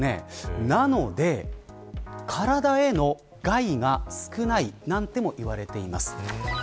なので体への害が少ないともいわれています。